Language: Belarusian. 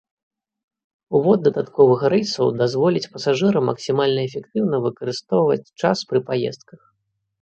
Увод дадатковых рэйсаў дазволіць пасажырам максімальна эфектыўна выкарыстоўваць час пры паездках.